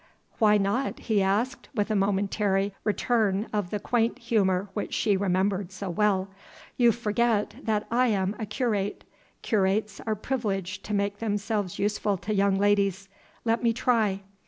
"Why not?" he asked, with a momentary return of the quaint humor which she remembered so well. "You forget that I am a curate. Curates are privileged to make themselves useful to young ladies. Let me try."